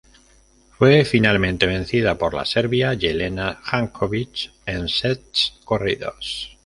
Fue finalmente vencida por la serbia Jelena Jankovic en sets corridos.